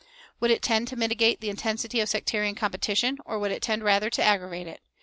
Would it tend to mitigate the intensity of sectarian competition, or would it tend rather to aggravate it?